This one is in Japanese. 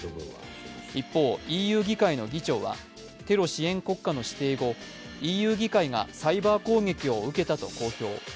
一方、ＥＵ議会の議長はテロ支援国家の指定後ＥＵ議会がサイバー攻撃を受けたと公表。